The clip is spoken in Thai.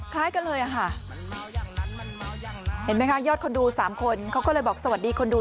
คล้ายกันเลยค่ะเห็นมั้ยคะยอดคนดู๓คนเขาก็เลยบอกสวัสดีคนดู๓คน